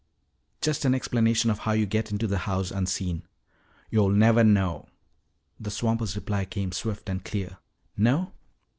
"Just an explanation of how you get into the house unseen." "Yo'll nevah know!" The swamper's reply came swift and clear. "No?